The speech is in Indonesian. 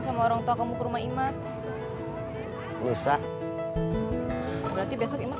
keomedik umani maaf lu sahi tomat tiba saat